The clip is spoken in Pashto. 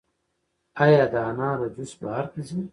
آیا د انارو جوس بهر ته ځي؟